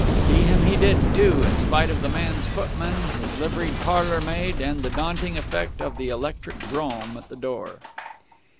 See him he did, too, in spite of the man's footman, his liveried parlourmaid, and the daunting effect of the electric brougham at the door.